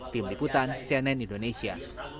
tim liputan cnn indonesia